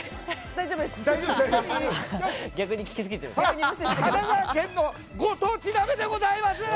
大丈夫ですよ！